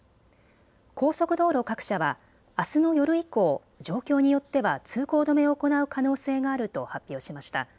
高速道路各社はあすの夜以降、状況によっては通行止めを行う可能性があると発表しました。